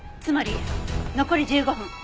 つまり残り１５分。